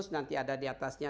nanti ada diatasnya dua lima